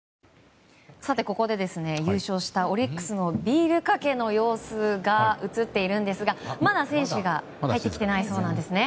ここで優勝したオリックスのビールかけの様子が映っているんですがまだ選手が帰ってきていないそうです。